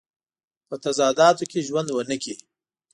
په تضاداتو کې ژوند ونه کړي.